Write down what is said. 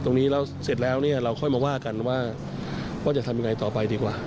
ตรงนี้แล้วเสร็จแล้วเนี่ยเราค่อยมาว่ากันว่าจะทำยังไงต่อไปดีกว่า